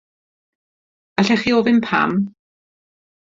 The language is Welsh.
Allwch chi ofyn pam?